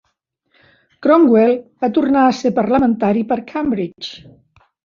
Cromwell va tornar a ser parlamentari per Cambridge.